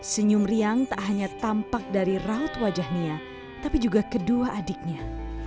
senyum riang tak hanya tampak dari raut wajah nia tapi juga kedua adiknya